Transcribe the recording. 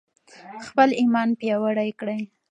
خپل ایمان پیاوړی کړئ.